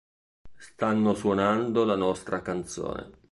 Stanno suonando la nostra canzone